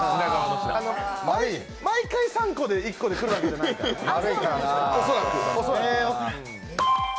毎回、３個で１個くるわけじゃないからね。